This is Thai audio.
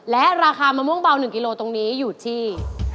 และราคามะม่วงเบา๑กิโลตรงนี้อยู่ที่